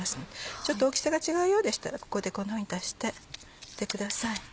ちょっと大きさが違うようでしたらここでこんなふうに足してってください。